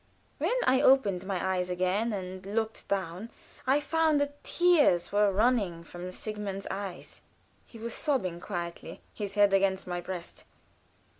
When I opened my eyes again and looked down, I found that tears were running from Sigmund's eyes. He was sobbing quietly, his head against my breast.